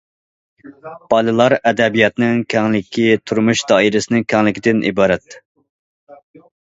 بالىلار ئەدەبىياتىنىڭ كەڭلىكى تۇرمۇش دائىرىسىنىڭ كەڭلىكىدىن ئىبارەت.